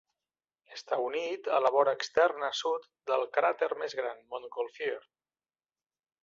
Està unit a la vora externa sud del cràter més gran Montgolfier.